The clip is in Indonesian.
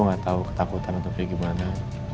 cuma tau ketakutan atau gimana